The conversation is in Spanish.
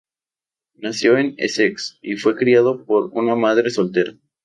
Nació en Essex, y fue criado por una madre soltera.